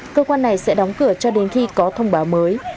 cơ quan này sẽ đóng cửa cho đến khi có thông báo mới